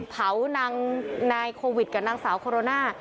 เผานางนายโควิดกับนางสาวโคโรนา